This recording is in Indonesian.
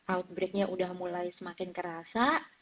outbreak nya udah mulai semakin kerasa